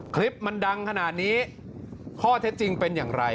คลิปมันดังขนาดนี้ข้อเท็จจริงเป็นอย่างไร